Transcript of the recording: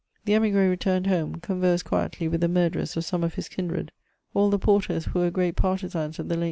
The emigre returned home, conversed quietly with the murderers of some of his kindred. All the porters, who were great partisans of the late M.